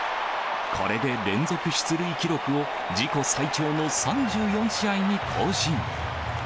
これで連続出塁記録を自己最長の３４試合に更新。